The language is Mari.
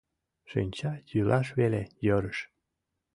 Шинча йӱлаш веле йӧрыш.